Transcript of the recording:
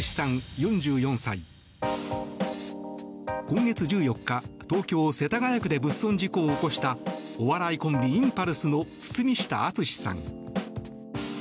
今月１４日、東京・世田谷区で物損事故を起こしたお笑いコンビ、インパルスの堤下敦さん。